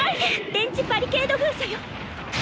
電磁バリケード封鎖よ！